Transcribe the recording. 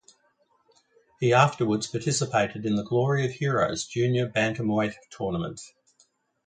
He afterwards participated in the Glory of Heroes Junior Bantamweight tournament.